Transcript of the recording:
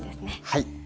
はい。